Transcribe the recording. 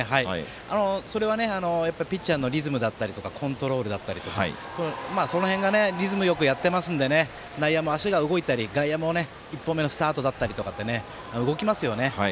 それは、やっぱりピッチャーのリズムだったりとかコントロールだったりとかその辺が、リズムよくやっていますので内野も足が動いたり外野も１歩目のスタートだったり動きますよね。